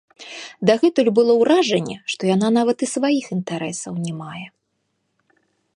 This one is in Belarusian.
Дагэтуль было ўражанне, што яна нават і сваіх інтарэсаў не мае.